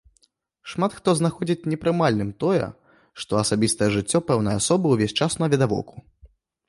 Шмат хто знаходзіць непрымальным тое, што асабістае жыццё пэўнай асобы ўвесь час навідавоку.